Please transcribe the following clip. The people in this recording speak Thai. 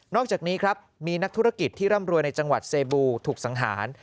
อกจากนี้ครับมีนักธุรกิจที่ร่ำรวยในจังหวัดเซบูถูกสังหาร